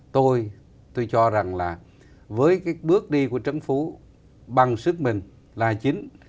tôi tôi cho rằng là với cái bước đi của trấn phú bằng sức mình là chính